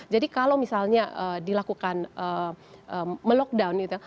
jadi kalau misalnya dilakukan melockdown